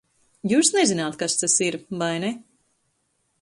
Jūs nezināt, kas tas ir, vai ne?